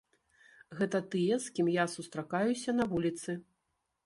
Гэта тыя, з кім я сустракаюся на вуліцы.